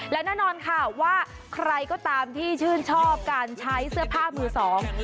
และแน่นอนค่ะว่าใครก็ตามที่ชื่นชอบการใช้เสื้อผ้ามือสอง